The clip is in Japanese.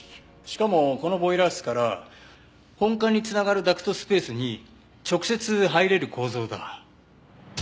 しかもこのボイラー室から本館に繋がるダクトスペースに直接入れる構造だ。